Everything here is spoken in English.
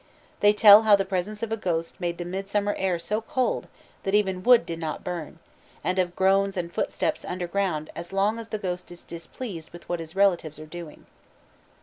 They tell how the presence of a ghost made the midsummer air so cold that even wood did not burn, and of groans and footsteps underground as long as the ghost is displeased with what his relatives are doing.